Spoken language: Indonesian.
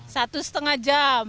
satu setengah jam